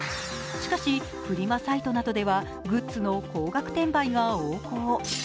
しかし、フリマサイトなどではグッズの高額転売が横行。